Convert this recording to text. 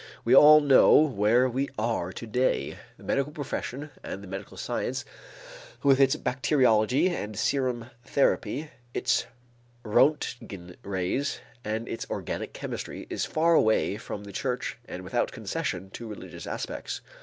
We all know where we are to day. The medical profession and the medical science with its bacteriology and serum therapy, its Roentgen rays and its organic chemistry is far away from the church and without concession to religious aspects.